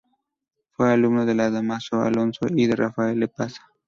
Fue alumno de Dámaso Alonso y de Rafael Lapesa.